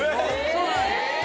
そうなんです。